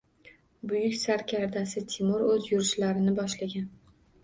Buyuk sarkardasi Temur oʻz yurishlarini boshlagan.